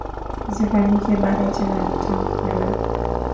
zifanyike baada tena ya tamko la